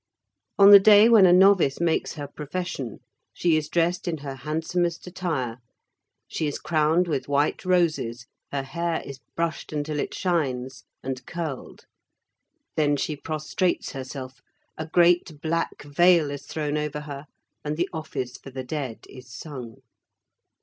On the day when a novice makes her profession, she is dressed in her handsomest attire, she is crowned with white roses, her hair is brushed until it shines, and curled. Then she prostrates herself; a great black veil is thrown over her, and the office for the dead is sung.